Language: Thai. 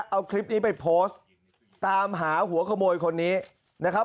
เอาคลิปนี้ไปโพสต์ตามหาหัวขโมยคนนี้นะครับ